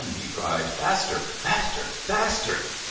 he cried. "Faster! Faster! Faster!"